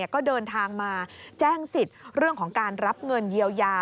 ก็เดินทางมาแจ้งสิทธิ์เรื่องของการรับเงินเยียวยา